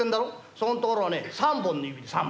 そこん所をね３本の指で３本。